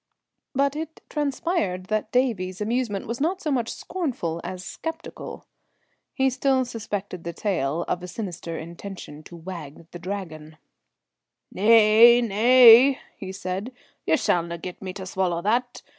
But it transpired that Davie's amusement was not so much scornful as sceptical. He still suspected the tail of a sinister intention to wag the Dragon. "Nae, nae," he said, "ye shallna get me to swallow that.